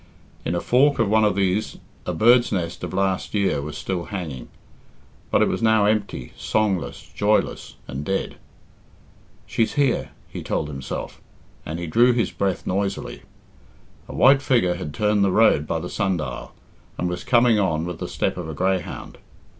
In a fork of one of these a bird's nest of last year was still hanging; but it was now empty, songless, joyless, and dead. "She's here." he told himself, and he drew his breath noisily. A white figure had turned the road by the sundial, and was coming on with the step of a greyhound.